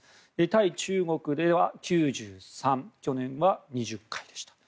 対中国では９３去年は２０回でした。